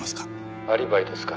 「アリバイですか？」